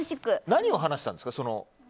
何を話したんですか？